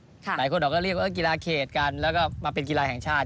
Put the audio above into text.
หลายคนก็เรียกว่ากีฬาเขตกันแล้วก็มาเป็นกีฬาแห่งชาติ